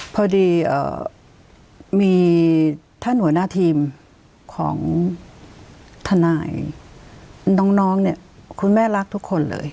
พอดีมีท่านหัวหน้าทีมของทนายน้องเนี่ยคุณแม่รักทุกคนเลย